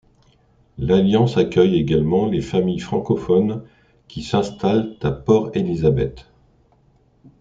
L’Alliance accueille également les familles francophones qui s'installent à Port Elizabeth.